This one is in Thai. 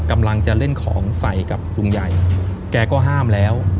กำลังจะเล่นของใส่กับลุงใหญ่แกก็ห้ามแล้ว